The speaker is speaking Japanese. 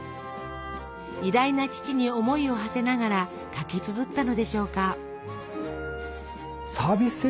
偉大な父に思いをはせながら書きつづったのでしょうか。